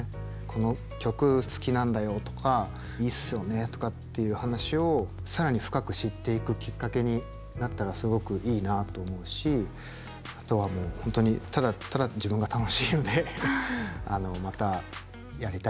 「この曲好きなんだよ」とか「いいっすよね」とかっていう話を更に深く知っていくきっかけになったらすごくいいなと思うしあとはもう本当にただただ自分が楽しいのでまたやりたいなと思いました。